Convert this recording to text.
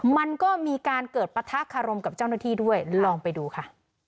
มันก็มีการเกิดปะทะคารมกับเจ้าหน้าที่ด้วยลองไปดูค่ะ